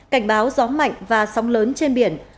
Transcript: cảnh báo gió mạnh và sóng lớn trên biển